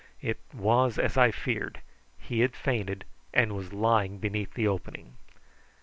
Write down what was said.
It was as I feared; he had fainted, and was lying beneath the opening.